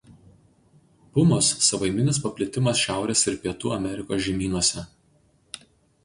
Pumos savaiminis paplitimas Šiaurės ir Pietų Amerikos žemynuose.